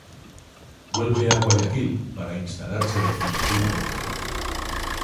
Vuelve a Guayaquil para instalarse definitivamente ahí.